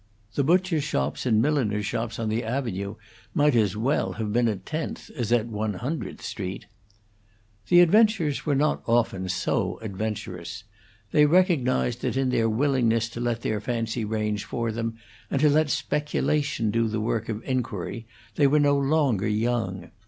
The butchers' shops and milliners' shops on the avenue might as well have been at Tenth as at One Hundredth Street. The adventurers were not often so adventurous. They recognized that in their willingness to let their fancy range for them, and to let speculation do the work of inquiry, they were no longer young.